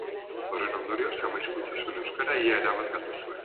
Horren ondorioz ama hizkuntza zuen euskara ia erabat galdua zuen.